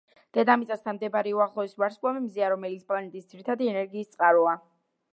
დედამიწასთან მდებარე უახლოესი ვარსკვლავი მზეა, რომელიც პლანეტის ძირითადი ენერგიის წყაროა.